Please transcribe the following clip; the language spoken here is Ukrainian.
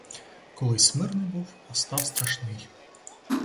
Колись смирний був, а став страшний.